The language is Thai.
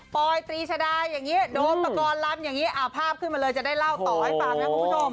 อยตรีชดาอย่างนี้โดนตะกอนลำอย่างนี้ภาพขึ้นมาเลยจะได้เล่าต่อให้ฟังนะคุณผู้ชม